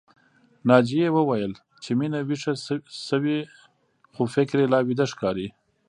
ناجيې وويل چې مينه ويښه شوې خو فکر يې لا ويده ښکاري